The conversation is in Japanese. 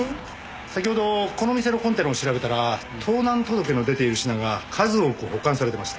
先ほどこの店のコンテナを調べたら盗難届の出ている品が数多く保管されていました。